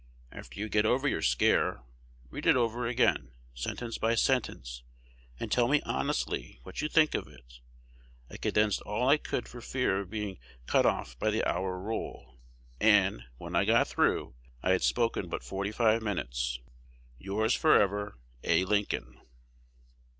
After you get over your scare, read it over again, sentence by sentence, and tell me honestly what you think of it. I condensed all I could for fear of being cut off by the hour rule; and, when I got through, I had spoken but forty five minutes. Yours forever, A. Lincoln.